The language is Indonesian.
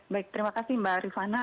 baik terima kasih mbak rifana